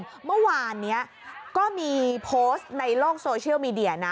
เมื่อวานนี้ก็มีโพสต์ในโลกโซเชียลมีเดียนะ